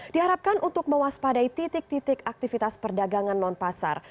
diharapkan untuk mewaspadai titik titik aktivitas perdagangan non pasar